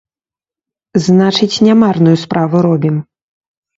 Значыць, не марную справу робім.